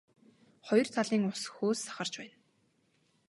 Хоёр талын ус хөөс сахарч байна.